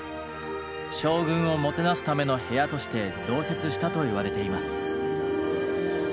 将軍をもてなすための部屋として増設したといわれています。